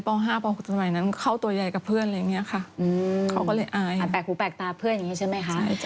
อ่ะแปลกหูแปลกตาเพื่อนอย่างเงี้ยใช่ไหมคะใช่